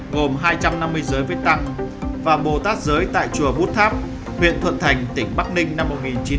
gồm hai trăm năm mươi giới viết tăng và bồ tát giới tại chùa vũ tháp huyện thuận thành tỉnh bắc ninh năm một nghìn chín trăm ba mươi bảy